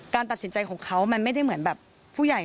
ตัดสินใจของเขามันไม่ได้เหมือนแบบผู้ใหญ่